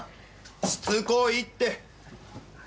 しつこいって！